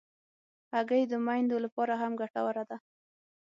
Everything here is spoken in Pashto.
هګۍ د میندو لپاره هم ګټوره ده.